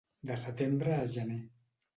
De setembre a gener.